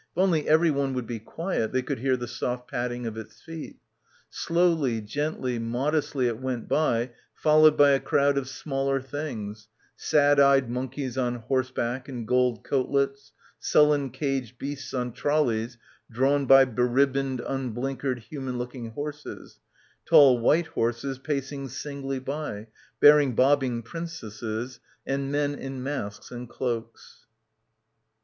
... If only everyone would be quiet they could hear the soft padding of its feet. Slowly, gently, modestly it went by followed by a crowd of smaller things; sad eyed monkeys on horseback in gold coatlets, sullen caged beasts on trolleys drawn by beribboned unblinkered human looking horses, tall white horses pacing singly by, bearing bobbing princesses and men in masks and cloaks.